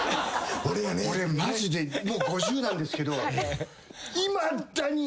俺マジでもう５０なんですけど。